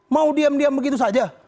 mau diam diam begitu saja